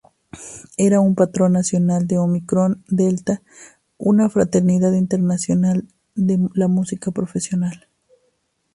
Era un Patrón Nacional de Omicron Delta, una fraternidad internacional de la música profesional.